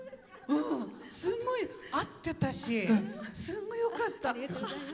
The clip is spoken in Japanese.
すごい合ってたしすごいよかった。